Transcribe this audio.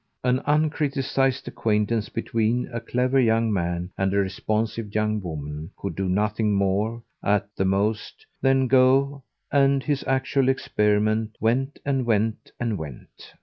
An uncriticised acquaintance between a clever young man and a responsive young woman could do nothing more, at the most, than go, and his actual experiment went and went and went.